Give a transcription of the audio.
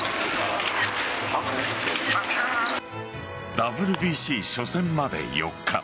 ＷＢＣ初戦まで４日。